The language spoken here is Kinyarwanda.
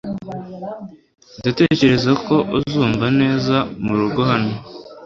Ndatekereza ko uzumva neza murugo hano.